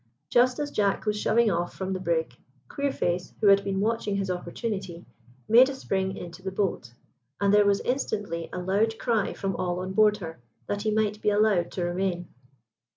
Just as Jack was shoving off from the brig, Queerface, who had been watching his opportunity, made a spring into the boat, and there was instantly a loud cry from all on board her, that he might be allowed to remain.